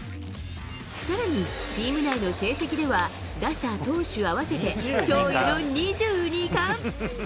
さらにチーム内の成績では打者、投手合わせて驚異の２２冠。